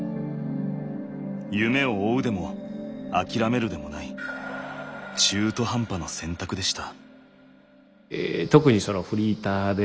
夢を追うでも諦めるでもない中途半端な選択でした。